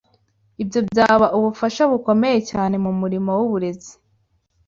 ibyo byaba ubufasha bukomeye cyane mu murimo w’uburezi.